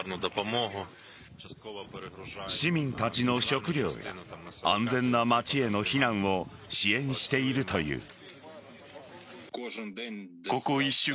市民たちの食料や安全な街への避難を支援しているという。